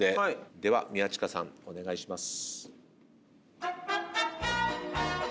では宮近さんお願いします。